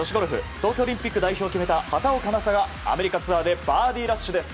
東京オリンピック代表を決めた畑岡奈紗がアメリカツアーでバーディーラッシュです。